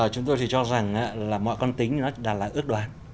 chúng tôi thì cho rằng là mọi con tính nó đà là ước đoán